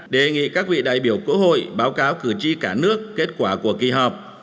đề nghị các vị đại biểu quốc hội báo cáo cử tri cả nước kết quả của kỳ họp